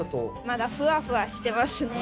まだふわふわしてますね。